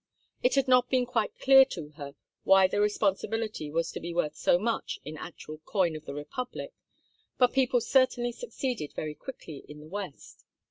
It had not been quite clear to her why the responsibility was to be worth so much in actual coin of the Republic, but people certainly succeeded very quickly in the West.